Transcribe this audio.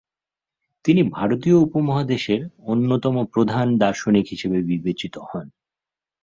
তিনি ভারতীয় উপমহাদেশের অন্যতম প্রধান দার্শনিক হিসাবে বিবেচিত হন।